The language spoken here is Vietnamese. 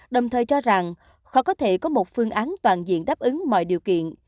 đồng thời cho rằng khó có thể có một phương án toàn diện đáp ứng mọi điều kiện